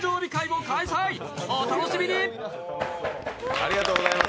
ありがとうございます。